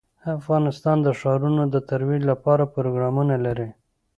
افغانستان د ښارونو د ترویج لپاره پروګرامونه لري.